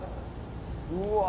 うわ。